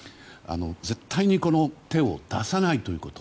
絶対に手を出さないということ。